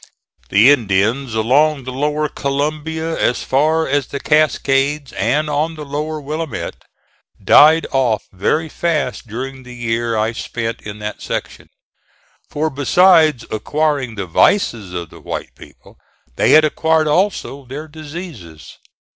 The Indians, along the lower Columbia as far as the Cascades and on the lower Willamette, died off very fast during the year I spent in that section; for besides acquiring the vices of the white people they had acquired also their diseases.